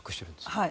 はい。